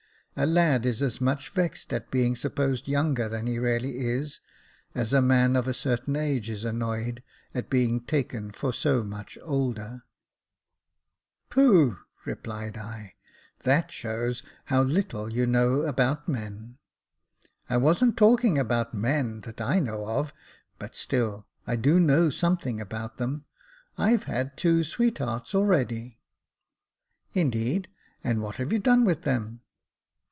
A lad is as much vexed at being supposed younger than he really is as a man of a certain age is annoyed at being taken for so much older. J.F. N 194 Jacob Faithful "Pooh!" replied I: "that shows how little you know about men." "I wasn't talking about men, that I know of; but still, I do know something about them. I've had two sweet hearts already." " Indeed ! and what have you done with them